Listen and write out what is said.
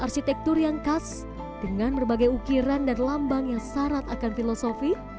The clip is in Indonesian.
ketutur yang khas dengan berbagai ukiran dan lambang yang syarat akan filosofi